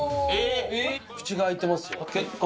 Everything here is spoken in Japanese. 口が開いてますよ。